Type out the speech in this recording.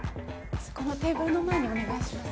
そこのテーブルの前にお願いします。